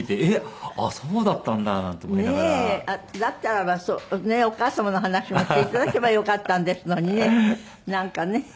だったらばそうねお母様のお話もして頂けばよかったんですのにねなんかね。